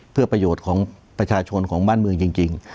เพื่อประโยชน์ของประชาชนของบ้านเมืองจริง